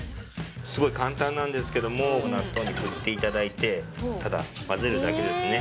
すごい簡単なんですけども納豆に振って頂いてただ混ぜるだけですね。